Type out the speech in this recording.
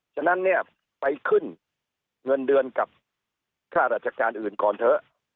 ฉะนั้นเนี่ยไปขึ้นเงินเดือนกับค่าราชการอื่นก่อนเถอะ